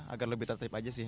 agar lebih tertib aja sih